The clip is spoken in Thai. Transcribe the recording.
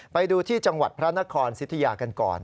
ไปดูที่จังหวัดพระนครสิทธิยากันก่อน